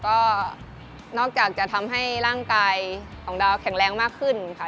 ก็นอกจากจะทำให้ร่างกายของดาวแข็งแรงมากขึ้นค่ะ